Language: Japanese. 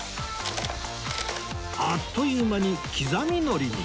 あっという間に刻みのりに！